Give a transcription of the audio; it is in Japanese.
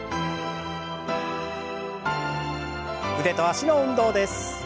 腕と脚の運動です。